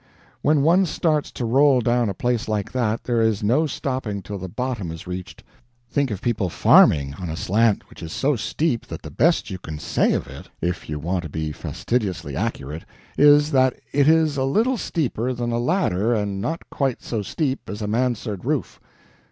When one starts to roll down a place like that, there is no stopping till the bottom is reached. Think of people FARMING on a slant which is so steep that the best you can say of it if you want to be fastidiously accurate is, that it is a little steeper than a ladder and not quite so steep as a mansard roof.